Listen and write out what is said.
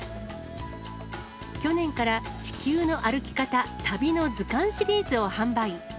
去年から地球の歩き方、旅の図鑑シリーズを販売。